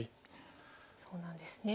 そうなんですね。